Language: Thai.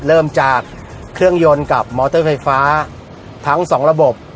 เริ่มจากเครื่องยนต์กับมอเตอร์ไฟฟ้าทั้งสองระบบ